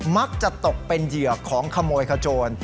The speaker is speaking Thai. มักจะตกเป็นเหยื่อของขโมยขโจร